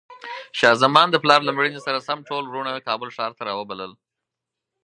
شاه زمان د پلار له مړینې سره سم ټول وروڼه کابل ښار ته راوبلل.